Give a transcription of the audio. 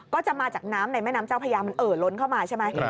ก็จะมาจากน้ำในแม่น้ำเจ้าพญามันเอ่อล้นเข้ามาใช่ไหม